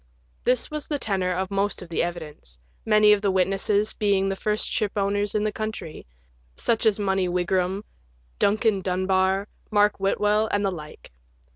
This was the tenor of most of the evidence, many of the witnesses being the first shipowners in the country — such as Money Wigram, Duncan Dunbar, Mark Whitwell, and the like.